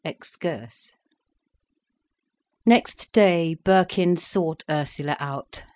EXCURSE Next day Birkin sought Ursula out.